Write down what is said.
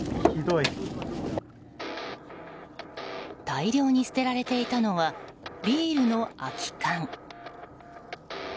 大量に捨てられていたのはビールの空き缶。